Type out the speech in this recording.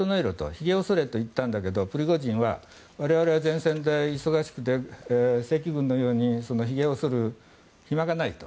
ひげをそれと言ったんだけどプリゴジンは我々は前線で忙しくて正規軍のようにひげをそる暇がないと。